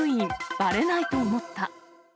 ばれないと思った。